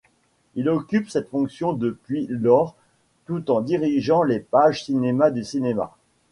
Il occupe cette fonction depuis lors, tout en dirigeant les pages cinéma du magazine.